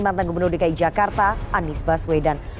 mantan gubernur dki jakarta anies baswedan